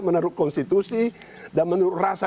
menurut konstitusi dan menurut rasa